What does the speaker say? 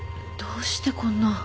どうしてこんな。